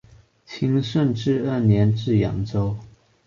清顺治二年至扬州。